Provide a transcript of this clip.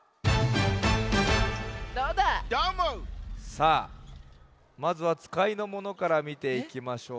さあまずはつかいのものからみていきましょう。